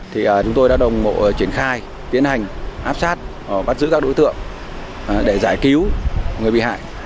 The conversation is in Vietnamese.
thì chúng tôi đã đồng bộ triển khai tiến hành áp sát bắt giữ các đối tượng để giải cứu người bị hại